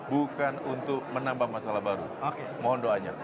bukan untuk menambah masalah baru mohon doanya